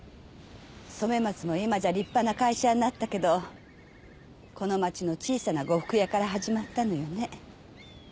染松も今じゃ立派な会社になったけどこの町の小さな呉服屋から始まったのよね。